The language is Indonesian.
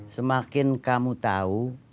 semakin kamu tau